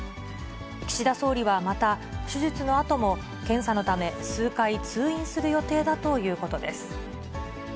岸田総理はまた、手術のあとも検査のため数回通院する予定だということです。